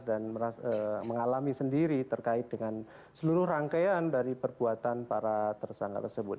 dan mengalami sendiri terkait dengan seluruh rangkaian dari perbuatan para tersangka tersebut